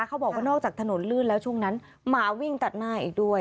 เขาบอกว่านอกจากถนนลื่นแล้วช่วงนั้นหมาวิ่งตัดหน้าอีกด้วย